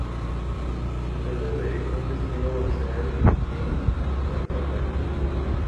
Se trata de un destino vacacional en Karnataka.